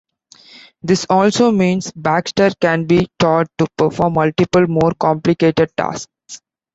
This also means Baxter can be taught to perform multiple, more complicated tasks.